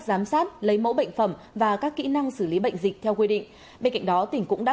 giám sát lấy mẫu bệnh phẩm và các kỹ năng xử lý bệnh dịch theo quy định bên cạnh đó tỉnh cũng đã